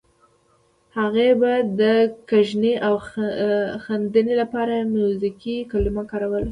هغې به د کږنې او غندنې لپاره موزیګي کلمه کاروله.